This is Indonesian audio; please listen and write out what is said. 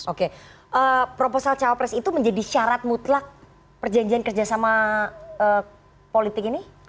oke proposal cawapres itu menjadi syarat mutlak perjanjian kerjasama politik ini